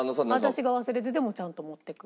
私が忘れててもちゃんと持っていく。